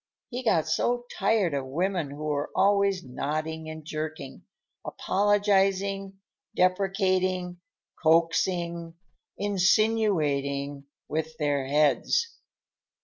He got so tired of women who were always nodding and jerking; apologizing, deprecating, coaxing, insinuating with their heads.